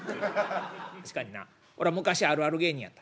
確かにな俺は昔あるある芸人やった。